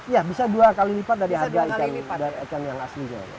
ya bisa dua kali lipat dari harga ikan dan ikan yang aslinya